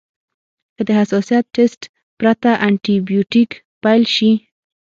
که د حساسیت ټسټ پرته انټي بیوټیک پیل شي.